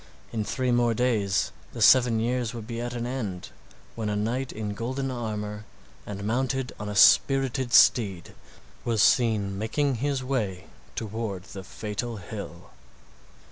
In three more days the seven years would be at an end, when a knight in golden armor and mounted on a spirited steed was seen making his way toward the fatal hill.